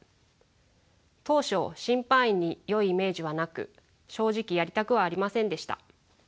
当初審判員によいイメージはなく正直やりたくはありませんでした。